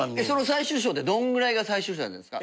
その最終章ってどんぐらいが最終章。